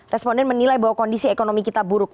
responden menilai bahwa kondisi ekonomi kita buruk